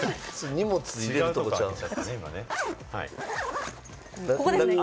荷物入れるとこちゃうん？